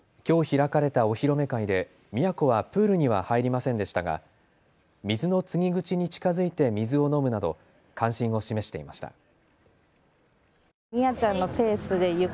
きょう開かれたお披露目会で宮子はプールには入りませんでしたが水の注ぎ口に近づいて水を飲むなど関心を示していました。